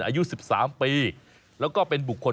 อายุ๑๓ปีแล้วก็เป็นบุคคล